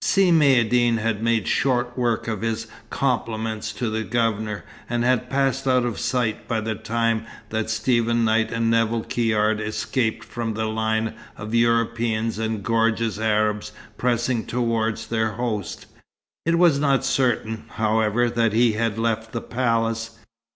Si Maïeddine had made short work of his compliments to the Governor, and had passed out of sight by the time that Stephen Knight and Nevill Caird escaped from the line of Europeans and gorgeous Arabs pressing towards their host. It was not certain, however, that he had left the palace.